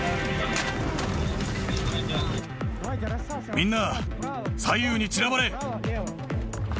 みんな、左右に散らばれ。